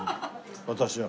私は。